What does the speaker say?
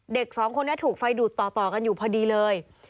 เด็กสองคนนี้ถูกไฟดูดต่อกันอยู่พอดีเลย